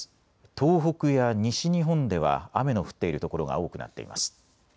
東北や西日本では雨の降っている所が多くなっています。